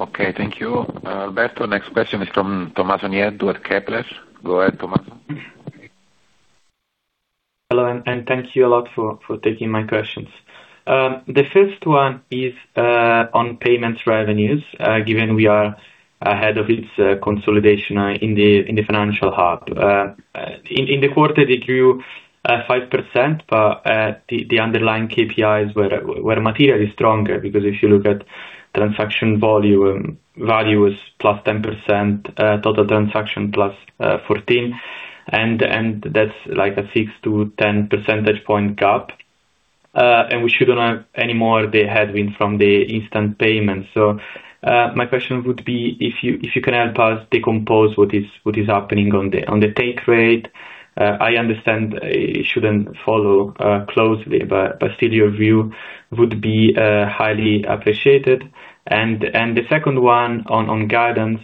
Okay, thank you. Alberto, next question is from Tommaso Nieddu at Kepler. Go ahead, Tommaso. Hello, and thank you a lot for taking my questions. The first one is on payments revenues, given we are ahead of its consolidation in the financial hub. In the quarter, it grew 5%, the underlying KPIs were materially stronger. If you look at transaction volume, value is +10%, total transaction +14%. That's like a 6-10 percentage point gap. We shouldn't have any more the headwind from the instant payments. My question would be if you can help us decompose what is happening on the take rate. I understand it shouldn't follow closely, still your view would be highly appreciated. The second one on guidance,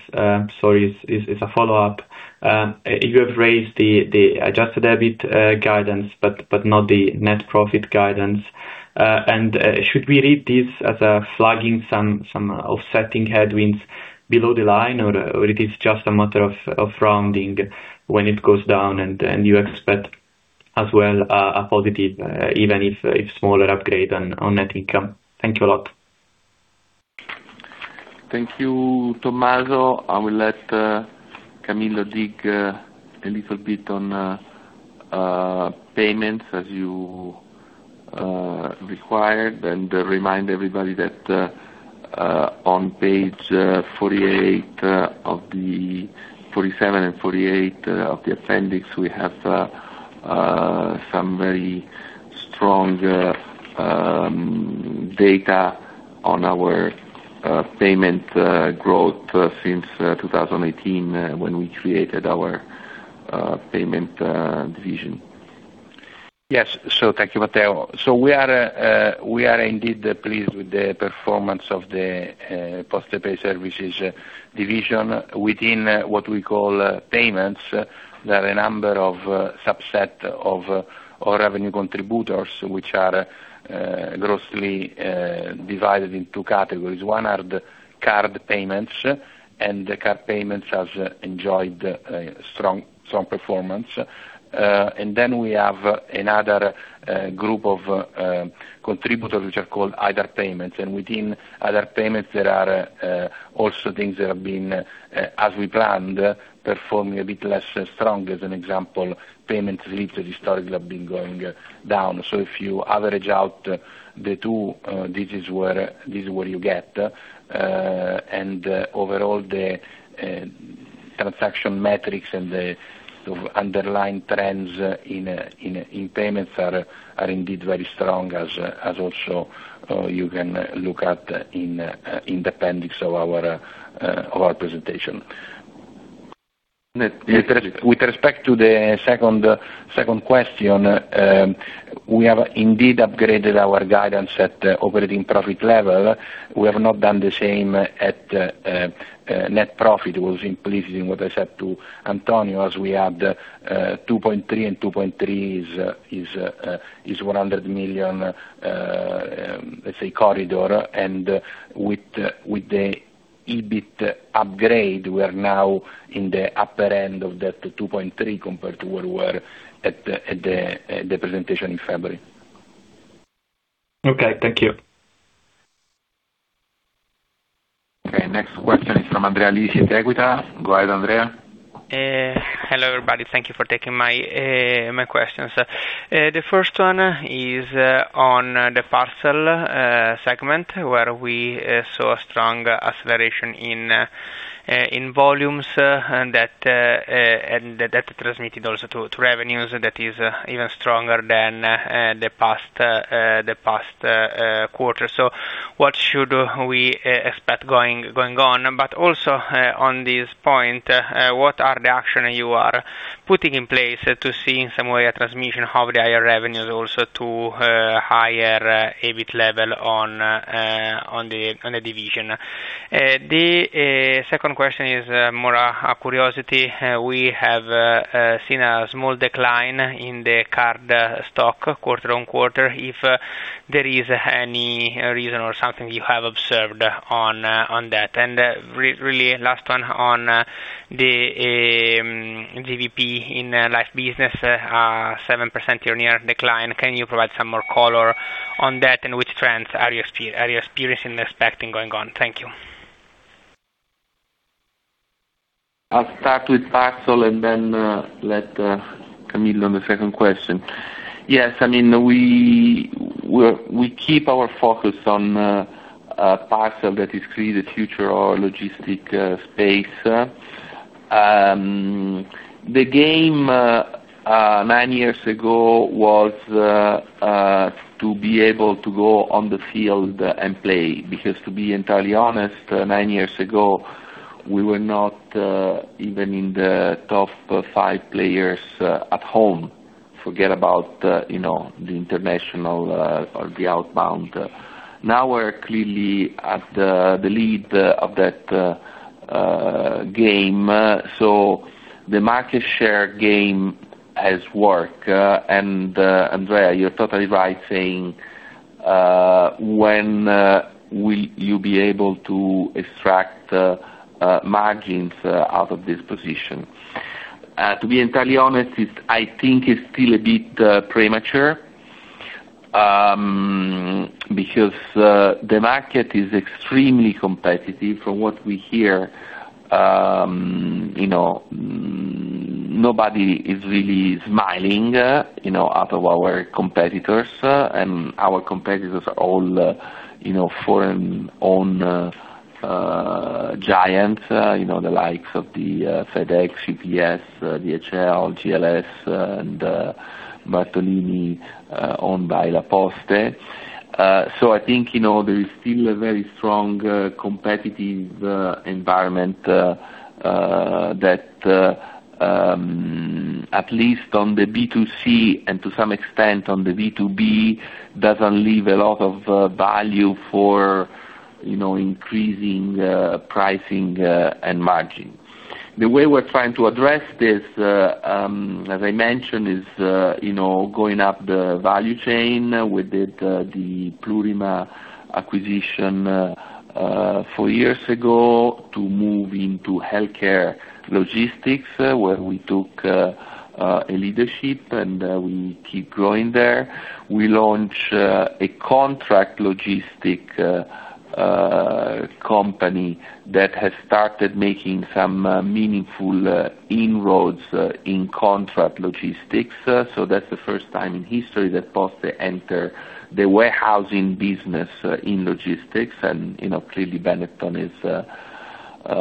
sorry, it's a follow-up. You have raised the adjusted EBIT guidance, but not the net profit guidance. Should we read this as flagging some offsetting headwinds below the line, or it is just a matter of rounding when it goes down and you expect as well a positive, even if smaller upgrade on net income? Thank you a lot. Thank you, Tommaso. I will let Camillo dig a little bit on payments as you required. Remind everybody that on page 47 and 48 of the appendix, we have some very strong data on our payment growth since 2018 when we created our payment division. Yes. Thank you, Matteo. We are, we are indeed pleased with the performance of the Postepay services division within what we call payments. There are a number of subset of our revenue contributors, which are grossly divided in two categories. One are the card payments, and the card payments has enjoyed a strong performance. Then we have another group of contributors, which are called other payments. Within other payments, there are also things that have been, as we planned, performing a bit less strong. As an example, payment slips historically have been going down. If you average out the two, this is where you get. Overall, the transaction metrics and the sort of underlying trends in payments are indeed very strong as also you can look at in the appendix of our presentation. With respect to the second question, we have indeed upgraded our guidance at the operating profit level. We have not done the same at net profit, was implicit in what I said to Antonio Reale, as we had 2.3, and 2.3 is 100 million, let's say corridor. With the EBIT upgrade, we are now in the upper end of that 2.3 compared to where we were at the presentation in February. Okay, thank you. Okay, next question is from Andrea Lisi at Equita. Go ahead, Andrea. Hello everybody. Thank you for taking my questions. The first one is on the parcel segment, where we saw a strong acceleration in volumes, and that transmitted also to revenues that is even stronger than the past quarter. What should we expect going on? Also on this point, what are the action you are putting in place to see in some way a transmission of the higher revenues also to higher EBIT level on the division? The second question is more a curiosity. We have seen a small decline in the card stock quarter on quarter. If there is any reason or something you have observed on that. Really last one on the GWP in life business, 7% year-on-year decline. Can you provide some more color on that and which trends are you experiencing expecting going on? Thank you. I'll start with parcel and then let Camillo on the second question. Yes. I mean, we keep our focus on parcel that is clearly the future or logistics space. The game nine years ago was to be able to go on the field and play. Because to be entirely honest, nine years ago, we were not even in the top five players at home. Forget about, you know, the international or the outbound. Now we're clearly at the lead of that game, the market share game as work. Andrea, you're totally right saying, when will you be able to extract margins out of this position? To be entirely honest, I think it's still a bit premature because the market is extremely competitive from what we hear. You know, nobody is really smiling, you know, out of our competitors, and our competitors are all, you know, foreign-owned giants, you know, the likes of the FedEx, UPS, DHL, GLS, and Bartolini, owned by La Poste. I think, you know, there is still a very strong competitive environment that, at least on the B2C and to some extent on the B2B, doesn't leave a lot of value for, you know, increasing pricing and margin. The way we're trying to address this, as I mentioned, is, you know, going up the value chain. We did the Plurima acquisition four years ago to move into healthcare logistics, where we took a leadership and we keep growing there. We launched a contract logistic company that has started making some meaningful inroads in contract logistics. That's the first time in history that Poste enter the warehousing business in logistics and, you know, clearly, Benetton is an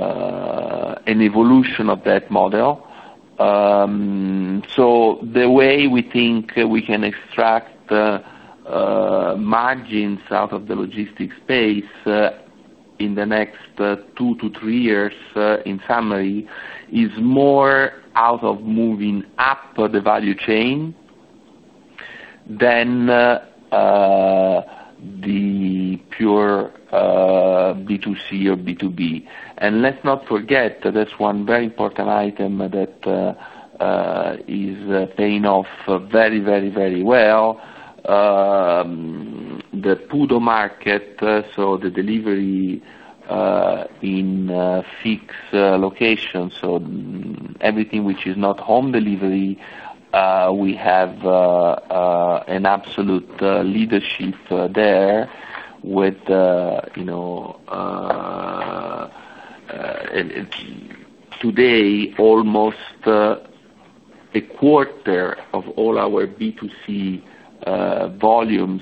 evolution of that model. The way we think we can extract margins out of the logistics space in the next two to three years, in summary, is more out of moving up the value chain than the pure B2C or B2B. Let's not forget that there's one very important item that is paying off very, very, very well, the PUDO market, so the delivery in fixed locations. Everything which is not home delivery, we have an absolute leadership there with, you know, today, almost a quarter of all our B2C volumes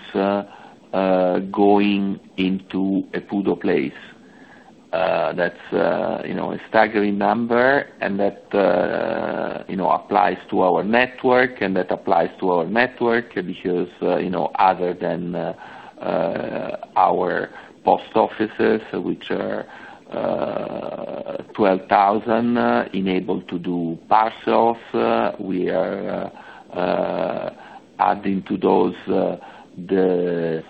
going into a PUDO place. That's, you know, a staggering number, and that, you know, applies to our network, and that applies to our network because, you know, other than our post offices, which are 12,000 enabled to do parcels, we are adding to those the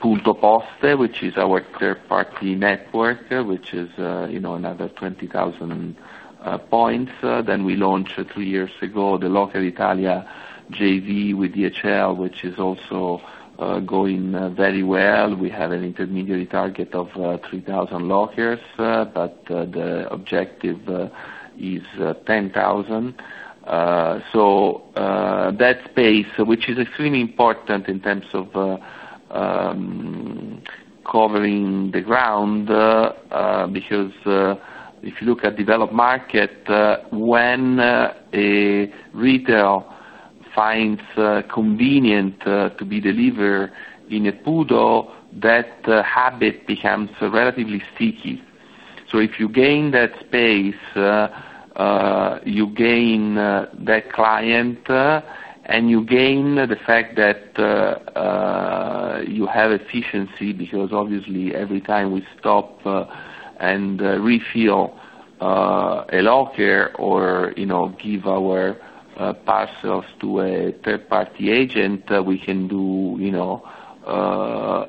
Punto Poste, which is our third-party network, which is, you know, another 20,000 points. We launched two years ago, the Locker Italia JV with DHL, which is also going very well. We have an intermediary target of 3,000 lockers, but the objective is 10,000. That space, which is extremely important in terms of covering the ground, because if you look at developed market, when a retail finds convenient to be delivered in a PUDO, that habit becomes relatively sticky. If you gain that space, you gain that client, and you gain the fact that you have efficiency, because obviously every time we stop and refill a locker or, you know, give our parcels to a third-party agent, we can do, you know,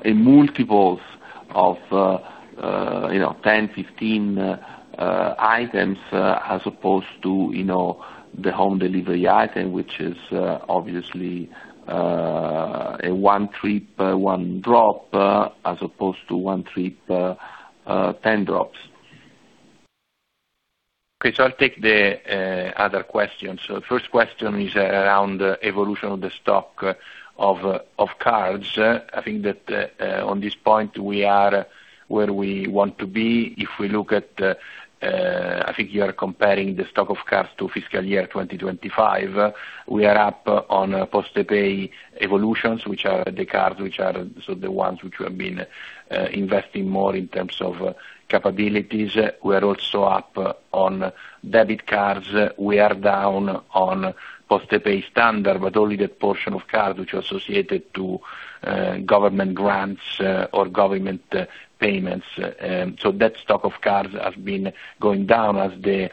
a multiples of, you know, 10, 15 items, as opposed to, you know, the home delivery item, which is obviously a one trip, one drop, as opposed to one trip, 10 drops. I'll take the other questions. The first question is around the evolution of the stock of cards. I think that on this point, we are where we want to be. If we look at, I think you are comparing the stock of cards to FY 2025. We are up on Postepay Evolution, which are the cards. The ones which we have been investing more in terms of capabilities. We are also up on debit cards. We are down on Postepay Standard, but only the portion of cards which are associated to government grants or government payments. That stock of cards have been going down as the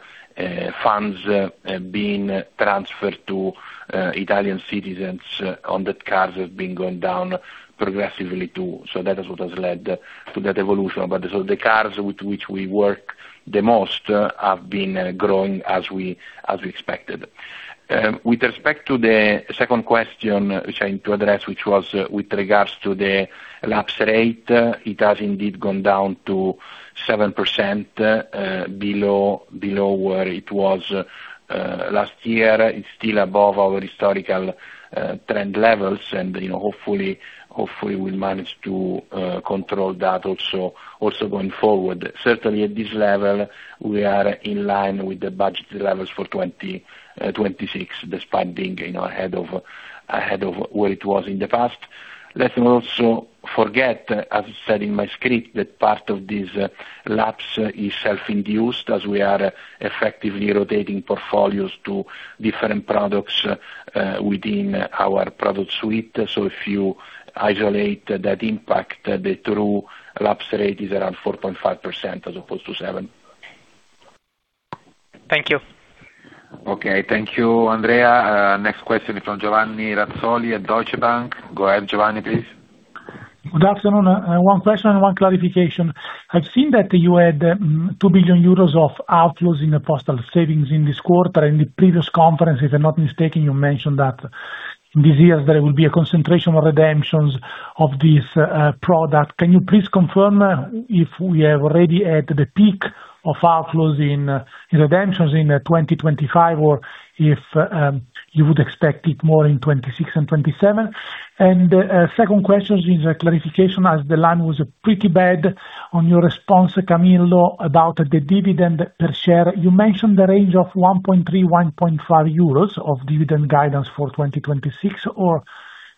funds have been transferred to Italian citizens, on the cards have been going down progressively, too. That is what has led to that evolution. The cards with which we work the most have been growing as we expected. With respect to the second question, which I need to address, which was with regards to the lapse rate, it has indeed gone down to 7% below where it was last year. It's still above our historical trend levels and, you know, hopefully we'll manage to control that going forward. Certainly at this level, we are in line with the budgeted levels for 2026, despite being, you know, ahead of where it was in the past. Let me also forget, as I said in my script, that part of this lapse is self-induced as we are effectively rotating portfolios to different products within our product suite. If you isolate that impact, the true lapse rate is around 4.5% as opposed to 7%. Thank you. Okay, thank you, Andrea. Next question is from Giovanni Razzoli at Deutsche Bank. Go ahead, Giovanni, please. Good afternoon. One question, one clarification. I've seen that you had 2 billion euros of outflows in the postal savings in this quarter. In the previous conference, if I'm not mistaken, you mentioned that this year there will be a concentration of redemptions of this product. Can you please confirm if we are already at the peak of outflows in redemptions in 2025, or if you would expect it more in 2026 and 2027? Second question is a clarification, as the line was pretty bad on your response, Camillo, about the dividend per share. You mentioned the range of 1.3, 1.5 euros of dividend guidance for 2026, or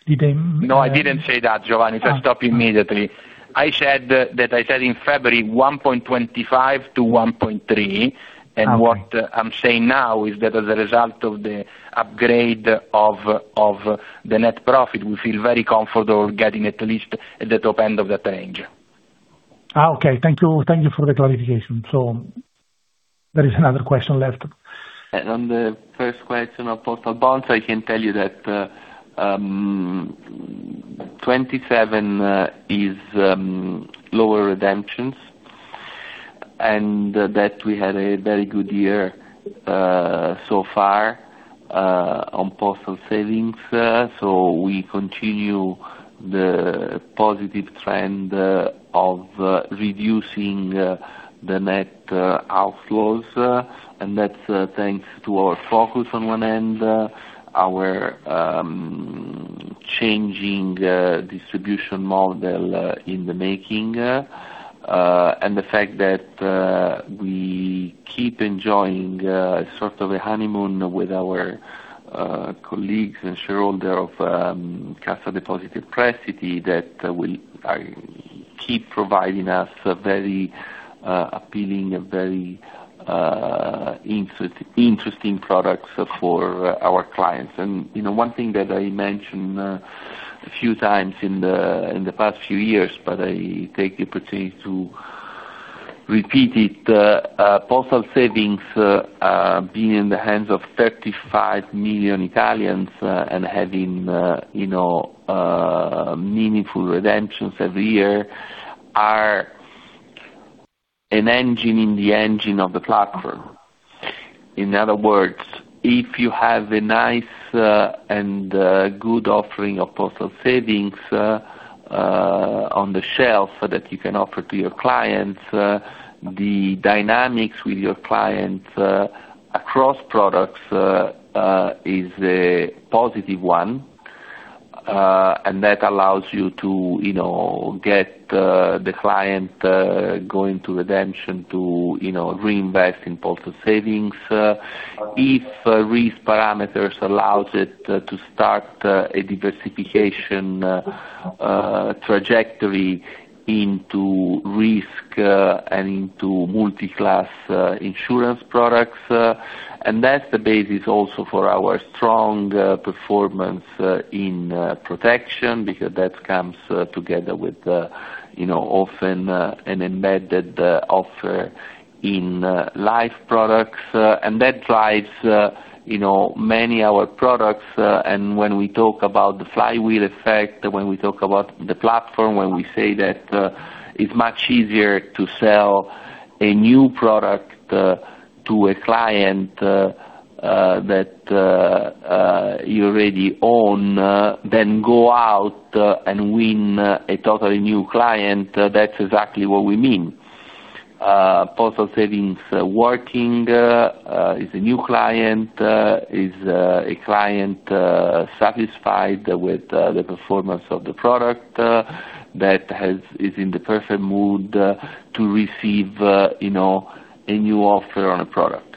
did I? No, I didn't say that, Giovanni. Oh, okay. Just stop immediately. I said that I said in February, 1.25-1.3. Okay. What I'm saying now is that as a result of the upgrade of the net profit, we feel very comfortable getting at least at the top end of that range. Okay. Thank you. Thank you for the clarification. There is another question left. On the first question of postal bonds, I can tell you that 27 is lower redemptions, and that we had a very good year so far on postal savings. We continue the positive trend of reducing the net outflows, and that's thanks to our focus on one end, our changing distribution model in the making, and the fact that we keep enjoying sort of a honeymoon with our colleagues and shareholder of Cassa Depositi e Prestiti that will keep providing us a very appealing and very interesting products for our clients. You know, one thing that I mentioned a few times in the past few years, but I take the opportunity to repeat it, postal savings, being in the hands of 35 million Italians, and having, you know, meaningful redemptions every year are an engine in the engine of the platform. In other words, if you have a nice and good offering of postal savings on the shelf that you can offer to your clients, the dynamics with your clients across products is a positive one, and that allows you to, you know, get the client going to redemption to, you know, reinvest in postal savings. If risk parameters allows it to start a diversification trajectory into risk and into Multi-class insurance products, that's the basis also for our strong performance in protection, because that comes together with, you know, often an embedded offer in life products, that drives, you know, many our products. When we talk about the flywheel effect, when we talk about the platform, when we say that it's much easier to sell a new product to a client that you already own than go out and win a totally new client, that's exactly what we mean. Postal savings working is a new client, is a client satisfied with the performance of the product that is in the perfect mood to receive, you know, a new offer on a product.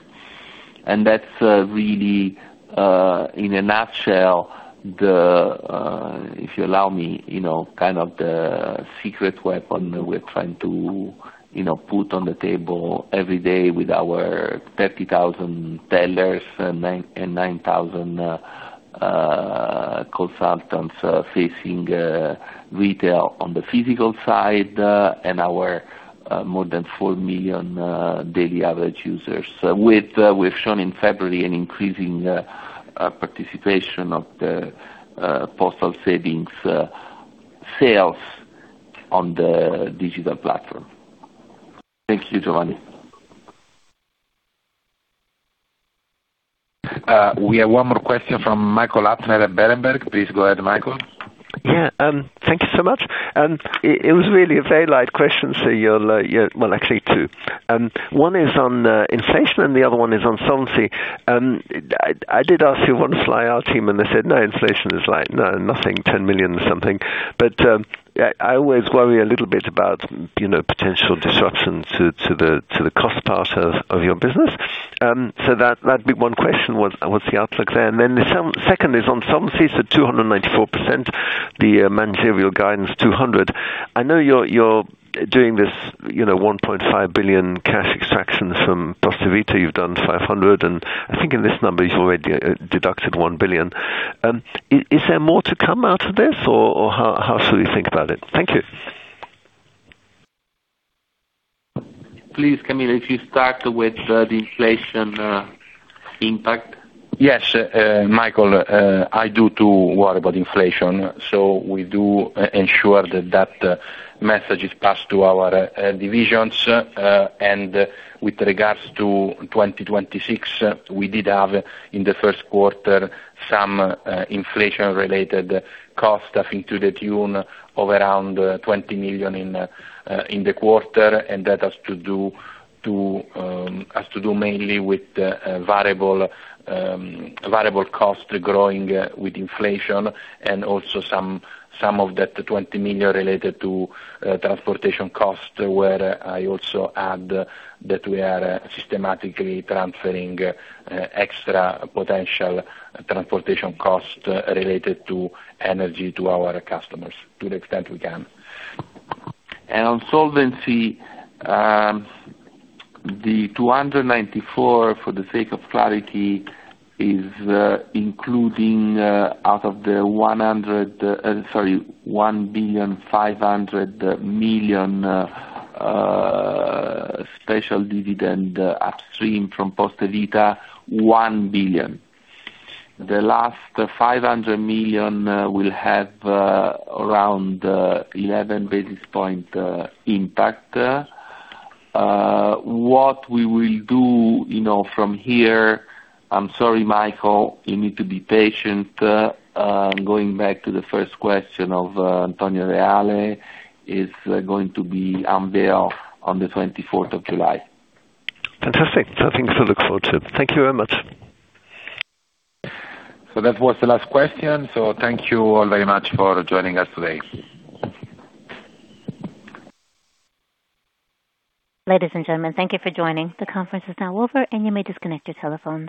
That's really in a nutshell, the, if you allow me, you know, kind of the secret weapon we're trying to, you know, put on the table every day with our 30,000 tellers, 9,000 consultants facing retail on the physical side, and our more than 4 million daily average users. We've shown in February an increasing participation of the postal savings sales on the digital platform. Thank you, Giovanni. We have one more question from Michael Huttner at Berenberg. Please go ahead, Michael. Yeah. Thank you so much. It was really a very light question, so actually two. One is on inflation, and the other one is on solvency. I did ask your one fly out team, and they said, "No, inflation is like, no, nothing, 10 million something." I always worry a little bit about, you know, potential disruption to the cost part of your business. That'd be one question, what's the outlook there? The second is on solvency, 294%, the managerial guidance 200%. I know you're doing this, you know, 1.5 billion cash extractions from Poste Vita. You've done 500 million, and I think in this number you've already deducted 1 billion. Is there more to come out of this, or how should we think about it? Thank you. Please, Camillo, if you start with the inflation impact. Yes, Michael, I do too worry about inflation. We do ensure that that message is passed to our divisions. With regards to 2026, we did have, in the first quarter, some inflation-related costs, I think to the tune of around 20 million in the quarter, and that has to do mainly with variable costs growing with inflation and also some of that 20 million related to transportation costs, where I also add that we are systematically transferring extra potential transportation costs related to energy to our customers to the extent we can. On solvency, the 294, for the sake of clarity, is including out of the 1.5 billion special dividend upstream from Poste Vita, 1 billion. The last 500 million will have around 11 basis points impact. What we will do, you know, from here, I'm sorry, Michael Huttner, you need to be patient, going back to the first question of Antonio Reale, is going to be unveiled on the 24th of July. Fantastic. Something to look forward to. Thank you very much. That was the last question, so thank you all very much for joining us today. Ladies and gentlemen, thank you for joining. The conference is now over, and you may disconnect your telephones.